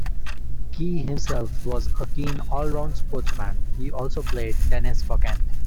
Key himself was a keen all-round sportsman; he also played tennis for Kent.